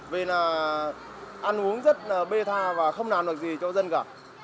vì là ăn uống rất là bê tha và không làm được gì cho dân cả